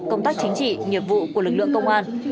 công tác chính trị nghiệp vụ của lực lượng công an